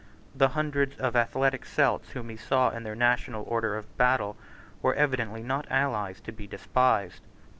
The hundreds of athletic Celts whom he saw in their national order of battle were evidently not allies to be despised.